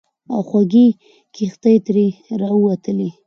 او خوږې کیښتې ترې راووتلې.